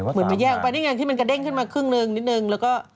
เหมือนจะแยกออกไปนี่ไงที่มันกระเด้งขึ้นมาครึ่งหนึ่งนิดนึงแล้วก็